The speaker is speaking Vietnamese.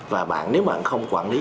và bạn nếu bạn không quản lý